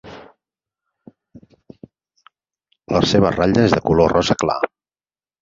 La seva ratlla és de color rosa clar.